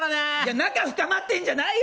仲深まってるんじゃないよ！